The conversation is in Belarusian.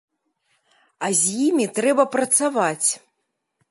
А з імі трэба працаваць!